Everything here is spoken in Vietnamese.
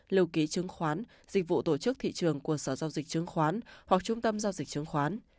lưu ký chứng khoán dịch vụ tổ chức thị trường của sở giao dịch chứng khoán hoặc trung tâm giao dịch chứng khoán